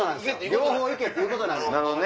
両方行けっていうことなんです。